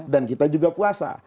dan kita juga puasa